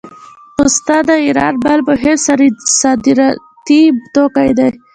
پسته د ایران بل مهم صادراتي توکی دی.